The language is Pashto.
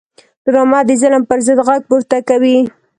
ډرامه د ظلم پر ضد غږ پورته کوي